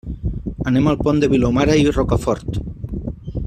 Anem al Pont de Vilomara i Rocafort.